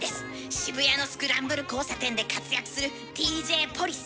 渋谷のスクランブル交差点で活躍するＤＪポリス！